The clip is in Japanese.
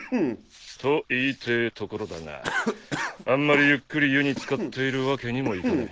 と言いてえところだがあんまりゆっくり湯に漬かっているわけにもいかねえ。